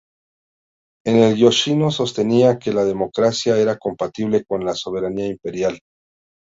En el Yoshino sostenía que la democracia era compatible con la soberanía imperial.